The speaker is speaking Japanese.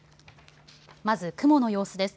まず雲の様子です。